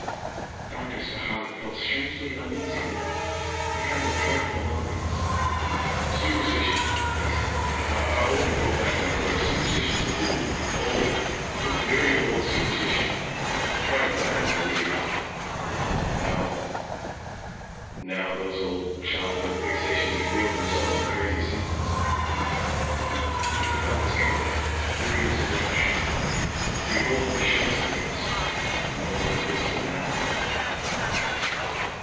Doctor Spechaug felt strangely uneasy then, a kind of dreadful loneliness. "Superstition," he said. "Our Old World background, where superstition is the rule, old, very old superstition. Frightened by them when we were young. Now those childhood fixations reveal themselves in crazy symptoms." He took off his coat, threw it into the brush. He rolled up his shirt sleeves. No blood visible now.